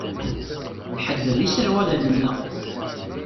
Nḥedded iserwalen-nneɣ.